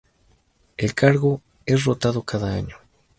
El cargo es rotado cada año.